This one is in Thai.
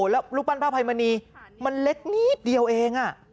แล้วรูปปั้นพระภัยมณีมันเล็กนิดเดียวเอง